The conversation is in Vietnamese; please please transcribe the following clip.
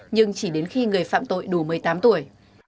nhưng chỉ đến khi người phạm tội đủ một mươi tám tuổi